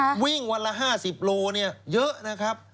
เพราะว่าวิ่งวันละ๕๐กิโลกรัมเยอะนะครับ